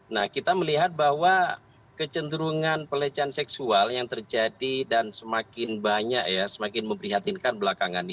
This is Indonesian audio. nah kita melihat bahwa kecenderungan pelecehan seksual yang terjadi dan semakin banyak ya semakin memprihatinkan belakangan ini